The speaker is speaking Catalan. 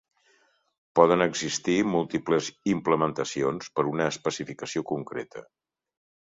Poden existir múltiples implementacions per a una especificació concreta.